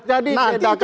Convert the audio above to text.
jadi nanti itu diatur